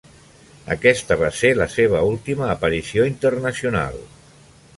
Aquesta va ser la seva última aparició internacional.